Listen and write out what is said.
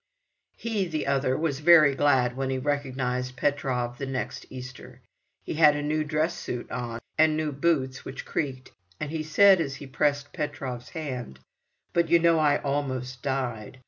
He, the other, was very glad, when he recognized Petrov the next Easter. He had a new dress suit on, and new boots which creaked, and he said as he pressed Petrov"s hand: "But, you know, I almost died.